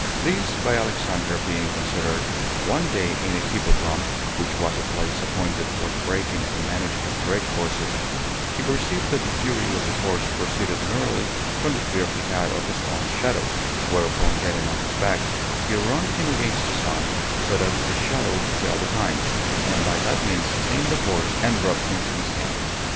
This by Alexander being considered, one day in the hippodrome (which was a place appointed for the breaking and managing of great horses), he perceived that the fury of the horse proceeded merely from the fear he had of his own shadow, whereupon getting on his back, he run him against the sun, so that the shadow fell behind, and by that means tamed the horse and brought him to his hand.